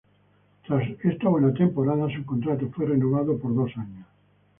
Tras esta buena temporada, su contrato fue renovado por dos años.